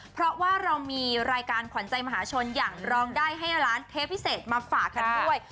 เพราะว่าเรามีรายการขวัญใจมหาชนอย่างร้องได้ให้ร้านเทปพิเศษมาฝากกันด้วย